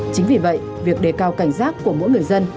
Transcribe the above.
chính vì vậy việc đề cao cảnh giác của mỗi người dân